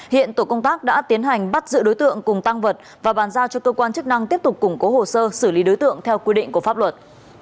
hiện tổ công tác đã tiến hành bắt giữ đối tượng cùng tăng vật và bàn giao cho cơ quan chức năng tiếp tục củng cố hồ sơ xử lý đối tượng theo quy định của pháp luật